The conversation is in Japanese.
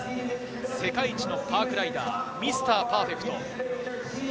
世界一のパークライダー、ミスターパーフェクト。